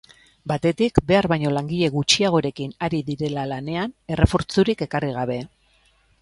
Batetik, behar baino langile gutxiagorekin ari direla lanean, errefortzurik ekarri gabe.